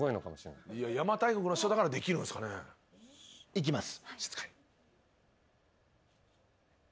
いきます。